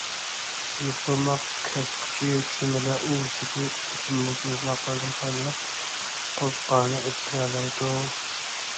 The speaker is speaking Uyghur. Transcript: يوپۇرماق كەسكۈچى چۈمۈلىلەر ئۇۋىسىدا ئۆسۈملۈك يوپۇرماقلىرىدىن پايدىلىنىپ قوزىقارنى ئۆستۈرەلەيدۇ.